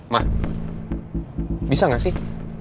ma bisa gak sih